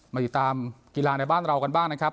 มาติดตามกีฬาในบ้านเรากันบ้างนะครับ